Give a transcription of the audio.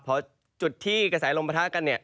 เพราะจุดที่กระแสลมประทะกันเนี่ย